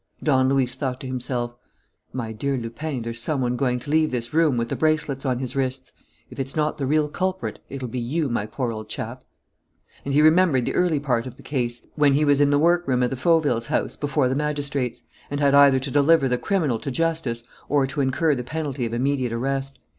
Don Luis thought to himself: "My dear Lupin, there's some one going to leave this room with the bracelets on his wrists. If it's not the real culprit, it'll be you, my poor old chap." And he remembered the early part of the case, when he was in the workroom at Fauville's house, before the magistrates, and had either to deliver the criminal to justice or to incur the penalty of immediate arrest.